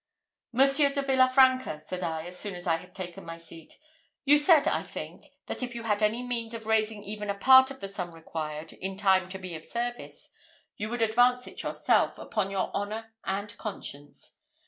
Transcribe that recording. "Monsieur de Villa Franca," said I, as soon as I had taken my seat, "you said, I think, that if you had any means of raising even a part of the sum required, in time to be of service, you would advance it yourself, upon your honour and conscience.